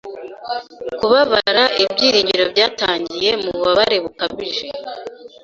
Kubabara ibyiringiro byatangiye Mububabare bukabije